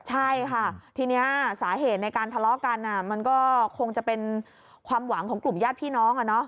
ใช่ค่ะทีนี้สาเหตุในการทะเลาะกันมันก็คงจะเป็นความหวังของกลุ่มญาติพี่น้อง